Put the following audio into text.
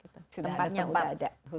tempatnya sudah ada